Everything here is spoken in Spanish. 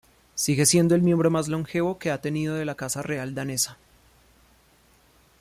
Sigue siendo el miembro más longevo que ha tenido de la Casa Real Danesa.